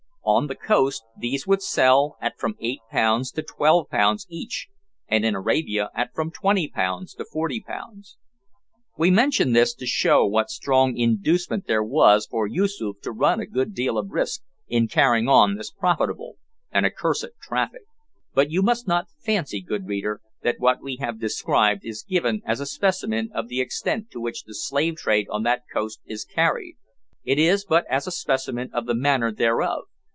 On the coast these would sell at from 8 pounds to 12 pounds each, and in Arabia at from 20 pounds to 40 pounds. We mention this to show what strong inducement there was for Yoosoof to run a good deal of risk in carrying on this profitable and accursed traffic. But you must not fancy, good reader, that what we have described is given as a specimen of the extent to which the slave trade on that coast is carried. It is but as a specimen of the manner thereof.